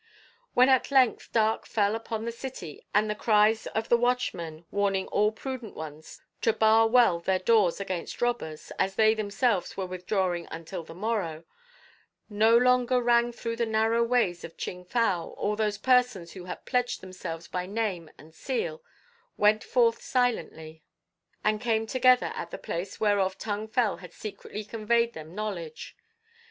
When at length dark fell upon the city and the cries of the watchmen, warning all prudent ones to bar well their doors against robbers, as they themselves were withdrawing until the morrow, no longer rang through the narrow ways of Ching fow, all those persons who had pledged themselves by name and seal went forth silently, and came together at the place whereof Tung Fel had secretly conveyed them knowledge.